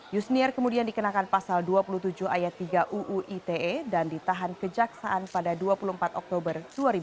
yusniar kemudian dikenakan pasal dua puluh tujuh ayat tiga uu ite dan ditahan kejaksaan pada dua puluh empat oktober dua ribu dua puluh